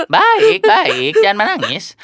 baik baik jangan menangis